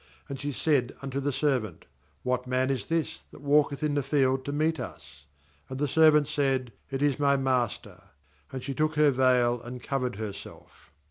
65And she said unto the servant: 'What man is this that walketh in the field to meet us?' And the servant said. 'It is my master.' And she took her veil, and covered herself.